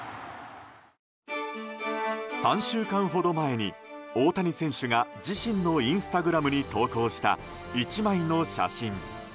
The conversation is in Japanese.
３週間ほど前に大谷選手が自身のインスタグラムに投稿した１枚の写真。